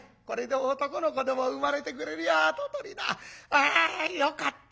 あよかった」。